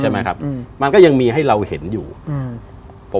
ใช่ไหมครับอืมมันก็ยังมีให้เราเห็นอยู่อืม